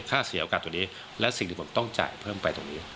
เสียโอกาสตรงนี้และสิ่งที่ผมต้องจ่ายเพิ่มไปตรงนี้